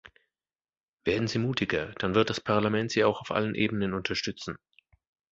Werden Sie mutiger, dann wird das Parlament Sie auch auf allen Ebenen unterstützen!